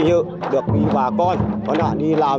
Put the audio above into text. như được quý bà con con ạ đi làm